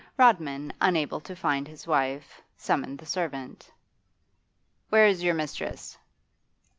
Rodman, unable to find his wife, summoned the servant. 'Where is your mistress?